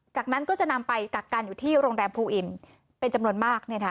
จากนั้นก็จะนำไปกักกันอยู่ที่โรงแรมภูอินเป็นจำนวนมาก